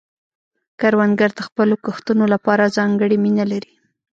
کروندګر د خپلو کښتونو لپاره ځانګړې مینه لري